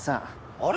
あれ？